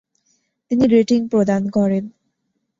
তিনি রেটিং প্রদান করেন।